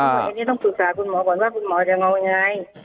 ตอนนี้ต้องปรึกษาคุณหมอก่อนว่าคุณหมอจะเอายังไง